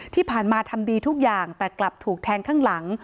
ที่ผ่านมาทำดีทุกอย่างแต่กลับถูกแทงข้างหลัง